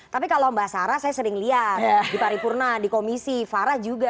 tapi kalau mbak sarah saya sering lihat di paripurna di komisi farah juga